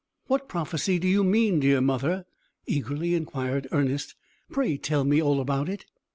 "What prophecy do you mean, dear mother?" eagerly inquired Ernest. "Pray tell me all about it!"